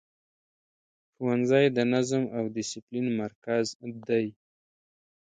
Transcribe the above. ښوونځی د نظم او دسپلین مرکز دی.